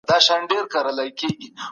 زه ښه لیکوال کېږم.